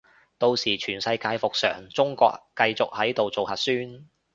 到時全世界復常，中國繼續喺度做核酸